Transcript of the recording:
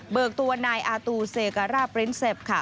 กตัวนายอาตูเซการาปริ้นเซฟค่ะ